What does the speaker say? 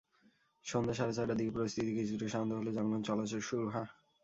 সন্ধ্যা সাড়ে ছয়টার দিকে পরিস্থিতি কিছুটা শান্ত হলে যানবাহন চলাচল শুরু হয়।